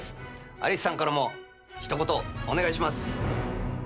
アリスさんからもぜひ、ひと言お願いします！